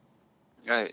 はい。